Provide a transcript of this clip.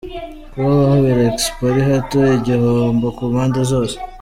Kuba ahabera Expo ari hato, igihombo ku mpande zose.